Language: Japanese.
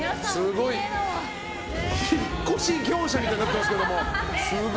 引っ越し業者みたいになってますけど。